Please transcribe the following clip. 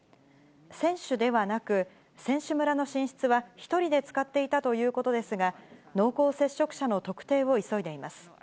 選手ではなく、選手村の寝室は１人で使っていたということですが、濃厚接触者の特定を急いでいます。